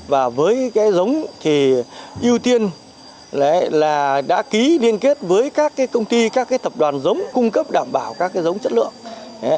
và với cái giống thì ưu tiên là đã ký liên kết với các công ty các tập đoàn giống cung cấp đảm bảo các giống chất lượng